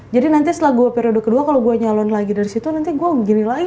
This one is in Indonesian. jadi nanti setelah gue periode kedua kalau gue nyalon lagi dari situ nanti gue begini lagi